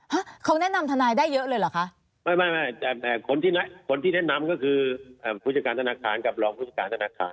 ฮะเขาแนะนำทนายได้เยอะเลยเหรอคะไม่ไม่ไม่แต่คนที่คนที่แนะนำก็คืออ่าผู้จัดการธนาคารกับรองผู้จัดการธนาคาร